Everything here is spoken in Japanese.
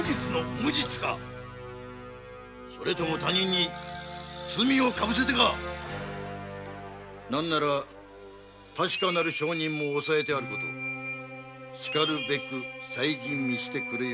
無実かそれとも他人に罪を被せてか何なら確かな証人も抑えてあることしかるべく再吟味してくれようか。